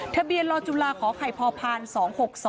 ทะเบียนลอจุลาขอไขผ่าพันธุ์๖๖๒